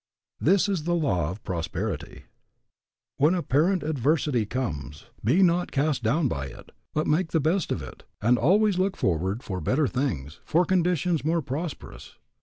This is the law of prosperity: When apparent adversity comes, be not cast down by it, but make the best of it, and always look forward for better things, for conditions more prosperous.